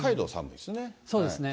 そうですね。